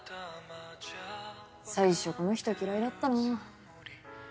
最初この人嫌いだったな。